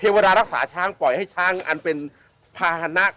ชื่องนี้ชื่องนี้ชื่องนี้ชื่องนี้ชื่องนี้ชื่องนี้